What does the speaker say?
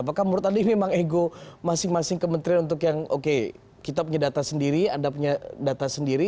apakah menurut anda ini memang ego masing masing kementerian untuk yang oke kita punya data sendiri anda punya data sendiri